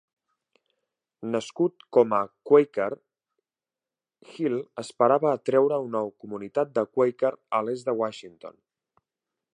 Nascut com a Quaker, Hill esperava atreure una comunitat de Quaker a l'est de Washington.